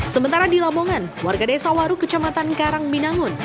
sementara di lamongan warga desa waru kecamatan karang binangun